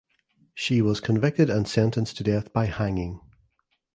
She was convicted and sentenced to death by hanging.